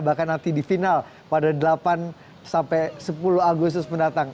bahkan nanti di final pada delapan sampai sepuluh agustus mendatang